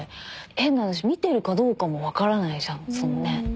変な話見てるかどうかもわからないじゃんそのね。